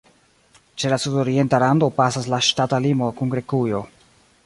Ĉe la sudorienta rando pasas la ŝtata limo kun Grekujo.